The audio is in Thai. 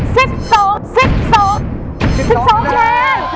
สิบสองสิบสองสิบสองคะแนน